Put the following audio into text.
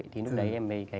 thì lúc đấy em thấy